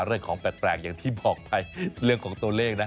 เรื่องของแปลกอย่างที่บอกไปเรื่องของตัวเลขนะ